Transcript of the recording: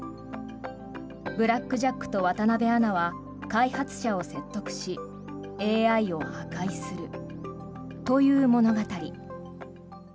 ブラック・ジャックと渡辺アナは開発者を説得しＡＩを破壊するという物語。